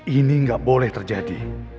ini tidak boleh terjadi